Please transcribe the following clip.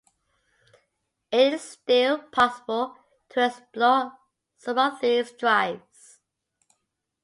It is still possible to explore some of these drives.